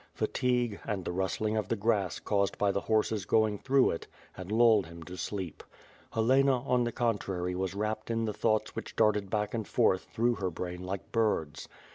Fatigue, and the rustling of the grass caused by the horses going through it, had lulled him to sleep. Helena, on the contrary, was wrapped in the thoughts which darted back and forth through her brain like birds.